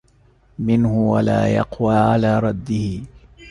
مِنه ولا يَقوى على رَدِّه